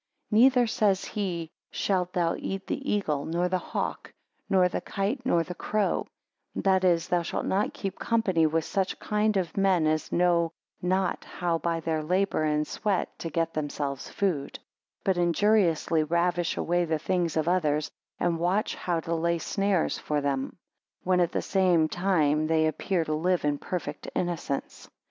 4 Neither, says he, shalt thou eat the eagle, nor the hawk, nor the kite, nor the crow; that is, thou shalt not keep company with such kind of men as know not how by their labour and sweat to get themselves food; but injuriously ravish away the things of others, and watch how to lay snares for them; when at the same time they appear to live in perfect innocence.